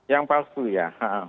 yang palsu ya